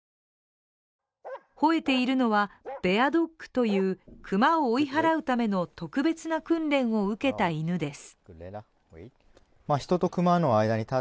ほえているのは、ベアドッグという熊を追い払うための特別な訓練を受けた犬です